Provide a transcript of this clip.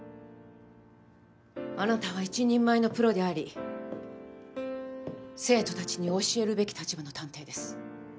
あなたは一人前のプロであり生徒たちに教えるべき立場の探偵です。